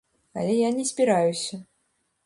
Але я не збіраюся.